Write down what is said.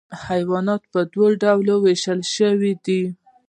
حیوانات په دوه ډلو ویشل شوي دي